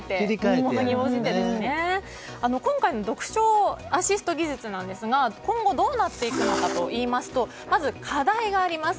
今回の読書アシスト技術ですが今後どうなっていくのかというとまず課題があります。